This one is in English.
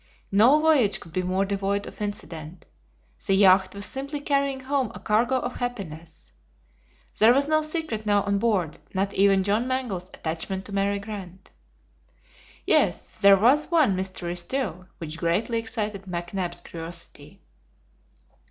No voyage could be more devoid of incident. The yacht was simply carrying home a cargo of happiness. There was no secret now on board, not even John Mangles's attachment to Mary Grant. Yes, there was one mystery still, which greatly excited McNabbs's curiosity.